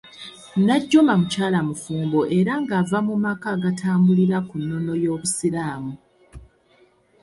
Najjuma mukyala mufumbo era ng'ava mu maka agatambulira ku nnono y'obusiraamu